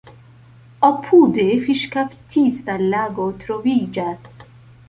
Apude fiŝkaptista lago troviĝas.